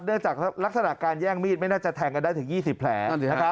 จากลักษณะการแย่งมีดไม่น่าจะแทงกันได้ถึง๒๐แผล